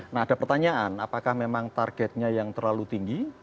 nah ada pertanyaan apakah memang targetnya yang terlalu tinggi